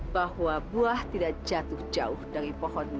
bahwa buah tidak jatuh jauh dari pohon